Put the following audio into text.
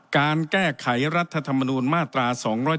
การแก้ไขรัฐธรรมนูญมาตรา๒๗